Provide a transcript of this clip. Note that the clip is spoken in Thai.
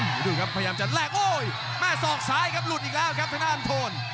ดูครับพยายามจะแหลกโอ๊ยแม่ศอกซ้ายครับลุดอีกแล้วครับทนานโทน